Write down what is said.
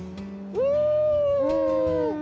うん！